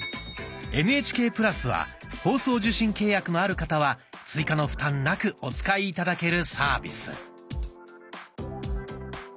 「ＮＨＫプラス」は放送受信契約のある方は追加の負担なくお使い頂けるサービス。